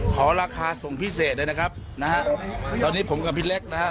ขอราคาส่งพิเศษเลยนะครับนะฮะตอนนี้ผมกับพี่เล็กนะฮะ